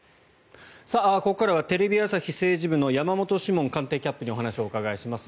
ここからはテレビ朝日政治部の山本志門官邸キャップにお話をお伺いします。